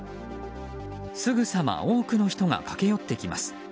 すぐさま多くの人が駆け寄ってきます。